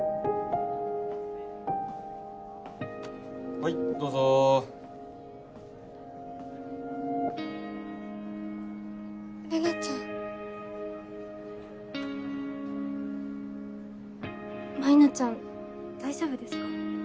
はいどうぞ玲奈ちゃん舞菜ちゃん大丈夫ですか？